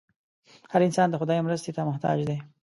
هر انسان د خدای مرستې ته محتاج دی.